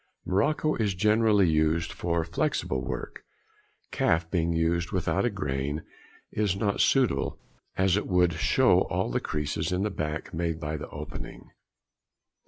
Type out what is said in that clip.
Morocco is generally used for flexible work; calf, being without a grain, is not suitable, as it would show all the creases in the back made by the opening.